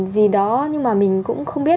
gì đó nhưng mà mình cũng không biết